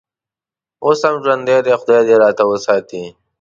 اوس هم ژوندی دی، خدای دې راته وساتي.